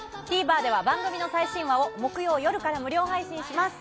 ＴＶｅｒでは番組の最新話を木曜夜から無料配信します。